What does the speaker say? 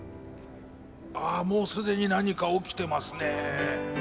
あもうすでに何か起きてますね。